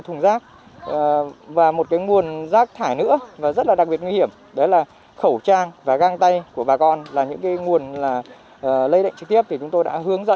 thùng rác khác nữa là mình để những chất thải thông thường